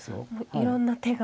もういろんな手が。